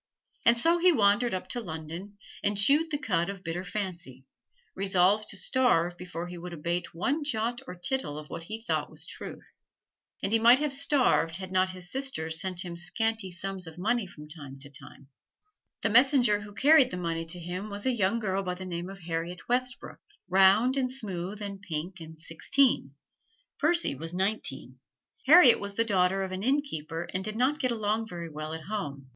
And so he wandered up to London and chewed the cud of bitter fancy, resolved to starve before he would abate one jot or tittle of what he thought was truth. And he might have starved had not his sisters sent him scanty sums of money from time to time. The messenger who carried the money to him was a young girl by the name of Harriet Westbrook, round and smooth and pink and sixteen. Percy was nineteen. Harriet was the daughter of an innkeeper and did not get along very well at home.